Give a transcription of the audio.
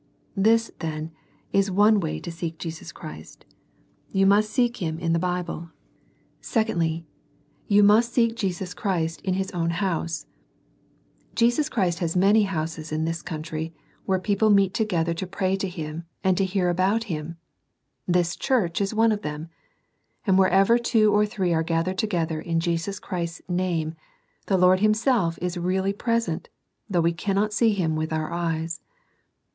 This, then, is one way to seek Jesus Christ You must seek Him in tYie BM^. SEEKING THE LORD EARLY. 1 23 Secondly : you must seek Jesus Christ in His awn house, Jesus Christ has many houses in this country, where people meet together to pray to Him, and to hear about Him. This Church is one of them ; and wherever two or three are gathered together in Jesus Christ's name, the Lord Himself is really present, though we cannot see Him with our eyes.